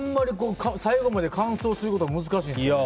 最後まで完走することが難しいんですよね。